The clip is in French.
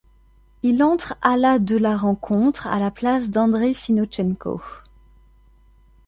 Il entre à la de la rencontre, à la place d'Andrei Finonchenko.